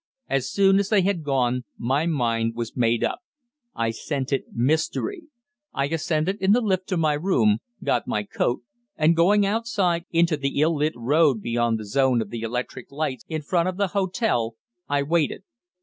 As soon as they had gone my mind was made up. I scented mystery. I ascended in the lift to my room, got my coat, and, going outside into the ill lit road beyond the zone of the electric lights in front of the hotel, I waited.